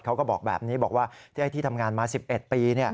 เขาก็บอกแบบนี้บอกว่าที่ทำงานมา๑๑ปี